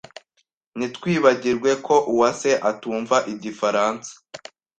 Ntitwibagirwe ko Uwase atumva Igifaransa.